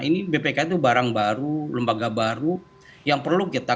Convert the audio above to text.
ini bpk itu barang baru lembaga baru yang perlu kita